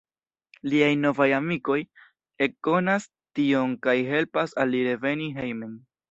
Liaj novaj amikoj ekkonas tion kaj helpas al li reveni hejmen.